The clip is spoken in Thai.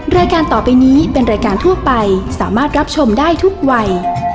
รายการต่อไปนี้เป็นรายการทั่วไปสามารถรับชมได้ทุกวัย